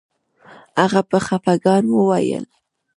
هغه په خفګان وویل